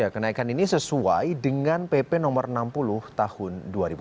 kenaikan ini sesuai dengan pp no enam puluh tahun dua ribu enam belas